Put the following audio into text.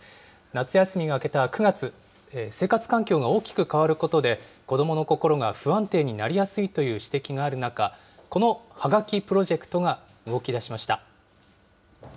夏休みが明けた９月、生活環境が大きく変わることで、子どもの心が不安定になりやすいという指摘がある中、このはがきプロジェクトが動きだしました。